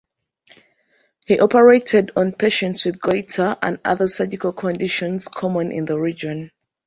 He operated on patients with goitre and other surgical conditions common in the region.